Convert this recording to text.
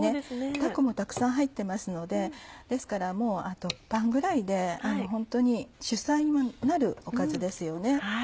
たこもたくさん入ってますのでですからもうあとパンぐらいでホントに主菜にもなるおかずですよね。